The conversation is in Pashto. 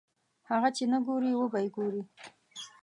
هغه چې نه یې ګورې وبه یې ګورې.